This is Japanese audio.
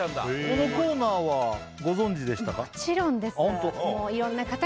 このコーナーはご存じでしたか？